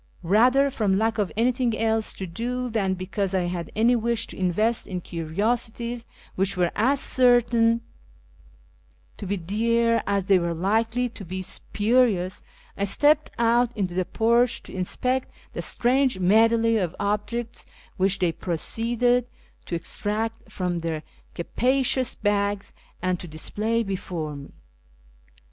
Eather from lack of anything else to do than because I had any wish to invest in curiosities w^hich were as certain ISFAHAN 205 to be dear as they were likely to be spurious, I stepped out into the porch to inspect the strange medley of objects which tliey proceeded to extract from their capacious bags and to display before me.